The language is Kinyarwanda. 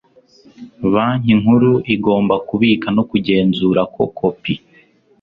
banki nkuru igomba kubika no kugenzura ko kopi